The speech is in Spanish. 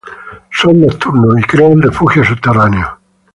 Son nocturnos y crean refugios subterráneos.